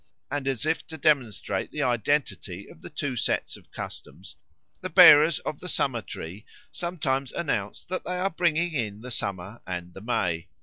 And as if to demonstrate the identity of the two sets of customs the bearers of the Summer tree sometimes announce that they are bringing in the Summer and the May.